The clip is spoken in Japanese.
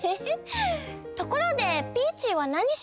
ところでピーチーはなにしにきたの？